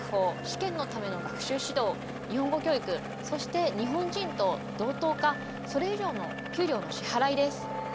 試験のための学習指導日本語教育そして日本人と同等かそれ以上の給料の支払いです。